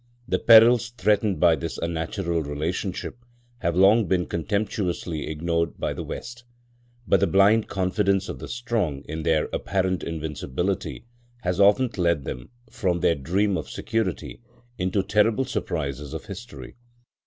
The perils threatened by this unnatural relationship have long been contemptuously ignored by the West. But the blind confidence of the strong in their apparent invincibility has often led them, from their dream of security, into terrible surprises of history.